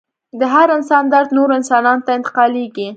د هر انسان درد نورو انسانانو ته انتقالیږي.